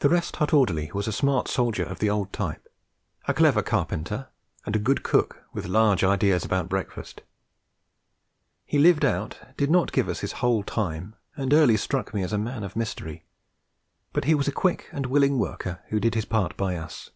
The Rest Hut orderly was a smart soldier of the old type, a clever carpenter, and a good cook with large ideas about breakfast. He lived out, did not give us his whole time, and early struck me as a man of mystery; but he was a quick and willing worker who did his part by us.